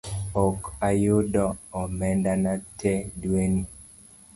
Ok ayudo omendana te dweni